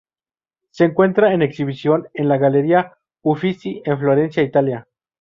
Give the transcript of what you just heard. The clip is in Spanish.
Se encuentra en exhibición en la Galería Uffizi en Florencia, Italia.